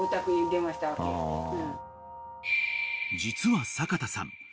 ［実は阪田さん